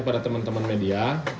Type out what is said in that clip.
pada teman teman media